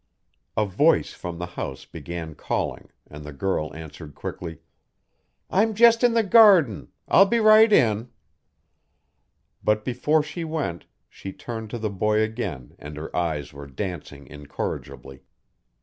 A voice from the house began calling and the girl answered quickly, "I'm just in the garden. I'll be right in." But before she went she turned to the boy again and her eyes were dancing incorrigibly.